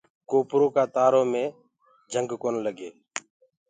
ڪوپرو ڪآ تآرو مي جنگ ڪونآ لگي۔